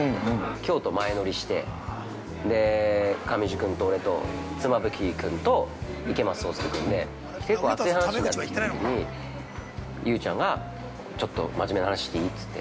京都、前乗りして、で、上地君と俺と、妻夫木君と池松壮亮君で結構熱い話になってきたときに雄ちゃんが、ちょっと真面目な話していい？つって。